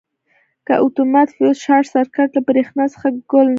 که اتومات فیوز شارټ سرکټ له برېښنا څخه ګل نه کړای شي.